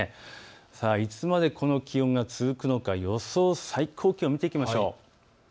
いつまでこの気温が続くのか、予想最高気温を見ていきましょう。